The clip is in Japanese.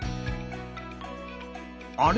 あれ？